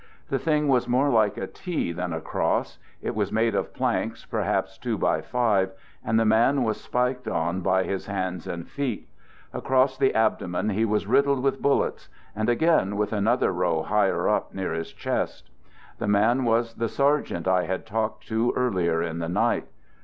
The thing was more like a T than a cross. It was made of planks, perhaps two by five, and the man was spiked on by his hands and feet. Across the abdomen he was riddled with bullets, and again with another row higher up nearer his chest. The man was the sergeant I had talked to earlier in the night.